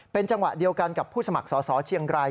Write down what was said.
เป็นจังหวะเดียวกันกับผู้สมัครสอสอเชียงราย